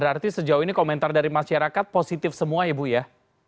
jadi sejauh ini komentar dari masyarakat positif semua ya bu ya